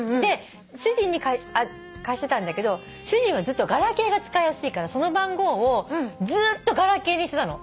主人に貸してたんだけど主人はガラケーが使いやすいからその番号をずっとガラケーにしてたの。